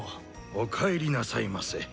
おかえりなさいませ。